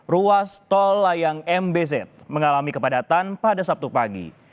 ruas tol layang mbz mengalami kepadatan pada sabtu pagi